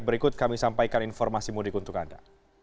berikut kami sampaikan informasi mudik untuk anda